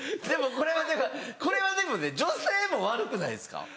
でもこれはこれはでもね女性も悪くないですか？